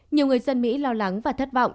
nhiều người dân mỹ lo lắng và thất vọng